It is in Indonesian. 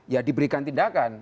ya diberikan tindakan